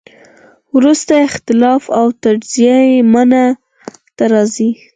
وروسته اختلاف او تجزیه منځ ته راځي.